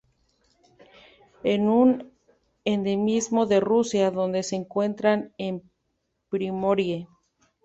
Es un endemismo de Rusia, donde se encuentran en Primorie.